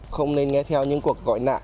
không nên nghe theo những cuộc gọi nạn